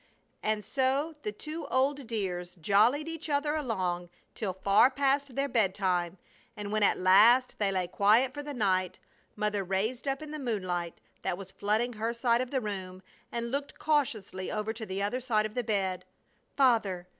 And so the two old dears jollied each other along till far past their bedtime; and when at last they lay quiet for the night Mother raised up in the moonlight that was flooding her side of the room and looked cautiously over to the other side of the bed: "Father!